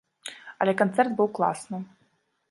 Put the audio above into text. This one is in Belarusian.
Але канцэрт быў класны.